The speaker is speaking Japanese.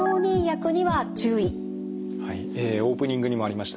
オープニングにもありました